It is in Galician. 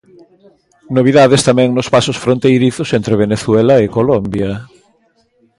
Novidades tamén nos pasos fronteirizos entre Venezuela e Colombia.